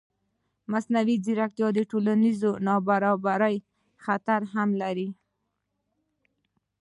مصنوعي ځیرکتیا د ټولنیز نابرابرۍ خطر هم لري.